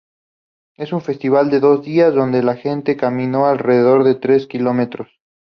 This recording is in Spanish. Es un festival de dos días donde la gente camino alrededor de tres kilómetros.